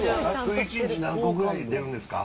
１日何個ぐらい出るんですか？